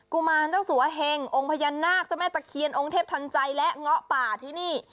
ุมารเจ้าสัวเหงองค์พญานาคเจ้าแม่ตะเคียนองค์เทพทันใจและเงาะป่าที่นี่